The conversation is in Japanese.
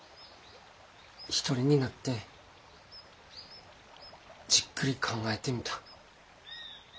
一人になってじっくり考えてみた。